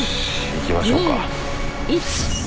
行きましょうか。